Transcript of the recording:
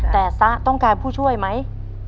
แต่ซะต้องการผู้ช่วยไหม